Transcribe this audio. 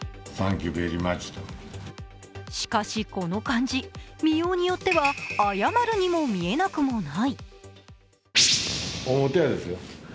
しかし、この漢字、見ようによっては謝るにも見えなくはない。